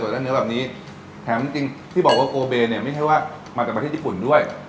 และเนื้อแบบนี้แถมจริงที่บอกว่าโกเบเนี่ยไม่ใช่ว่ามาจากประเทศญี่ปุ่นด้วย